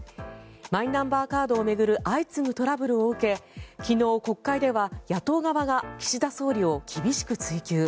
マイナンバーカードを巡る相次ぐトラブルを受け昨日、国会では野党側が岸田総理を厳しく追及。